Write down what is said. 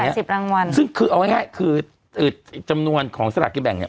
เนี้ยแปดสิบรางวัลซึ่งคือเอาไว้ให้คือเอ่อจำนวนของสลักกินแบ่งเนี้ย